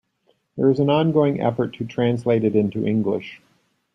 There is an ongoing effort to translate it into English.